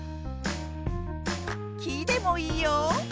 「き」でもいいよ！